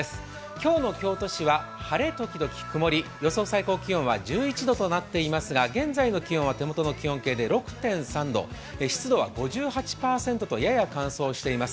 今日の京都市は晴れ時々曇り、予想最高気温は１１度となっていますが現在の気温は手元の気温計で６．３度湿度は５８％とやや乾燥しています。